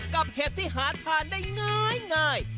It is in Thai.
เห็ดที่หาทานได้ง่าย